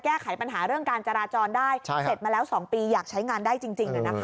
แก้ไขปัญหาเรื่องการจราจรได้เสร็จมาแล้ว๒ปีอยากใช้งานได้จริง